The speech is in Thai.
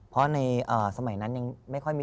เพราะในสมัยนั้นยังไม่ค่อยมี